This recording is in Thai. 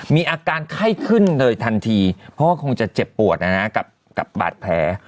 มีอาการไข้ขึ้นเลยทันทีเพราะว่าคงจะเจ็บปวดนะนะกับบาดแผล